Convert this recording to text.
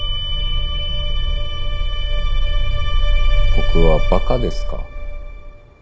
僕はバカですか？